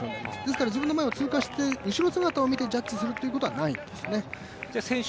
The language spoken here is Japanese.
ですから自分の後ろを通過して後ろ姿を見てジャッジをするということはないんですね。